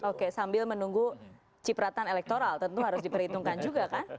oke sambil menunggu cipratan elektoral tentu harus diperhitungkan juga kan